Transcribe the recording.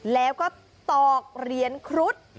แล้วก็ตอกเหรียญครุฑ